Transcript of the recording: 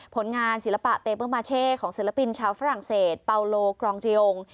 ผลงานศิลปะเปเปอร์มาเช่ของศิลปินชาวฝรั่งเศสเปาโลกรองจียง